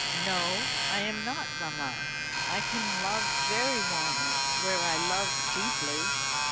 "No, I am not, mamma; I can love very warmly, where I love deeply.